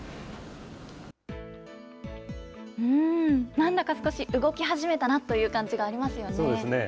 なんだか少し動き始めたなという感じがありますよね。